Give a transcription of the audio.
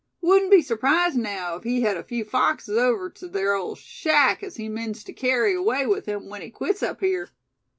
Wouldn't be surprised naow if he hed a few foxes over tew ther old shack as he means tew kerry away with him when he quits up here."